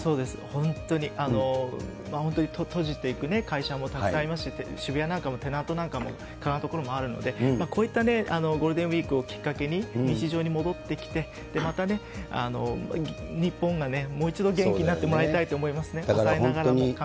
本当に、本当に閉じていく会社もたくさんありますし、渋谷なんかもテナントなんかものところもあるので、こういったゴールデンウィークをきっかけに、日常に戻ってきて、またね、日本がね、もう一度元気になってもらいたいと思いますね。